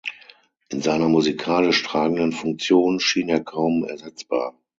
In seiner musikalisch tragenden Funktion schien er kaum ersetzbar.